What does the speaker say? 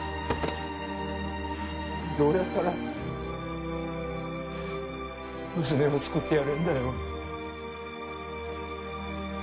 どうやったら娘を救ってやれんだよ。